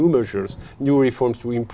vào năm tới